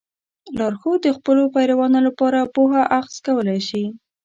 لارښود د خپلو پیروانو لپاره پوهه اخذ کولی شي.